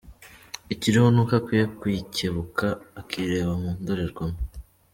Ikiriho ni uko akwiye kwicyebuka akireba mu ndorerwamo.